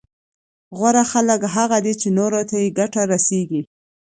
غوره خلک هغه دي چي نورو ته يې ګټه رسېږي